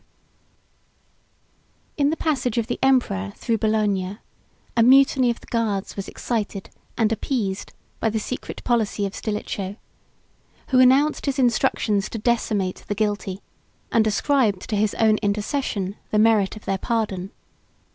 ] In the passage of the emperor through Bologna, a mutiny of the guards was excited and appeased by the secret policy of Stilicho; who announced his instructions to decimate the guilty, and ascribed to his own intercession the merit of their pardon.